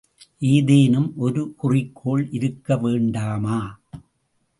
ஏதேனும் ஒரு குறிக்கோள் இருக்க வேண்டாமா?